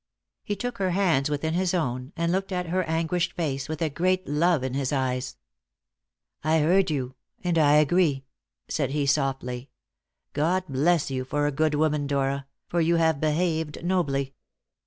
He took her hands within his own, and looked at her anguished face with a great love in his eyes. "I heard you, and I agree," said he softly. "God bless you for a good woman, Dora, for you have behaved nobly.